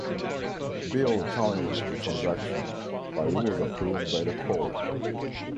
Bill challenged the transaction, but it was approved by the court.